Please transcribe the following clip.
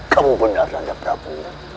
kamu benar benar prabu